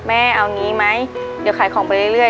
แม่เอางี้ไหมเดี๋ยวขายของไปเรื่อย